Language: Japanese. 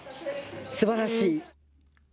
すばらしい。